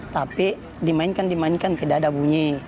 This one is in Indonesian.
tapi dimainkan dimainkan tidak ada bunyi